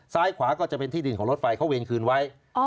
ขวาก็จะเป็นที่ดินของรถไฟเขาเวรคืนไว้